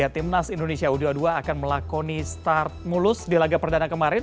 timnas indonesia u dua puluh dua akan melakoni start mulus di laga perdana kemarin